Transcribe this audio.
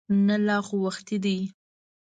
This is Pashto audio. نه لا خو وختي دی.